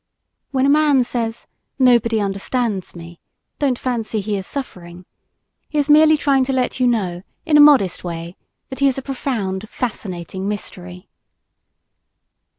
When a man says, "Nobody understands me," don't fancy he is suffering. He is merely trying to let you know, in a modest way, that he is a profound, fascinating mystery.